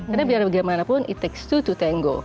karena biar bagaimanapun it takes to tango